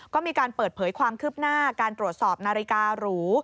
ก็มีการเปิดเผยความคืบหน้าการตรวจสอบนาฬิการู